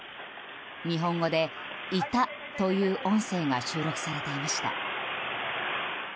日本語で「いた」という音声が収録されていました。